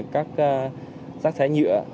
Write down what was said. các rác thái nhựa